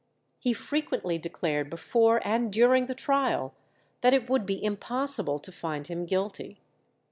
He frequently declared before and during the trial that it would be impossible to find him guilty.